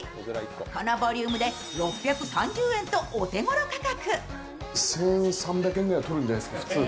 このボリュームで６３０円とお手頃価格。